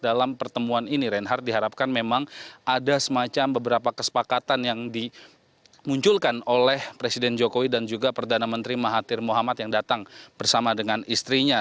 dalam pertemuan ini reinhardt diharapkan memang ada semacam beberapa kesepakatan yang dimunculkan oleh presiden jokowi dan juga perdana menteri mahathir muhammad yang datang bersama dengan istrinya